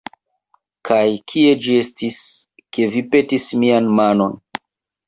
Kaj kie ĝi estis, ke vi petis mian manon?